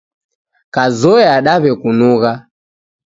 Kazoya daw'ekunugha.